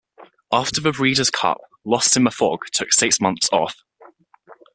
After the Breeders' Cup, Lost in the Fog took six months off.